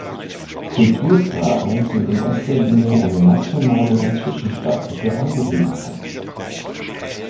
Kulturfragen sind in erster Linie eine nationale und zwischenstaatliche Angelegenheit.